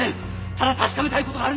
ただ確かめたい事があるんです！